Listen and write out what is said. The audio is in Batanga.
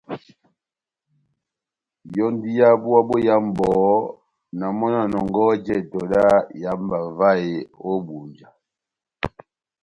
Yɔ́ndi yá búwa boyamu bɔhɔ́, na mɔ́ na nɔngɔhɔ jɛtɛ dá ihámba vahe ó Ebunja.